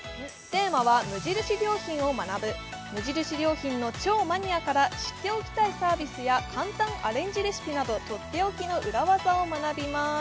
テーマは「無印良品を学ぶ」無印良品の超マニアから知っておきたいサービスや簡単アレンジレシピなどとっておきの裏技を学びます